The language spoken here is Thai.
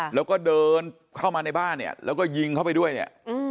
แล้วก็เดินเข้ามาในบ้านเนี่ยแล้วก็ยิงเข้าไปด้วยเนี่ย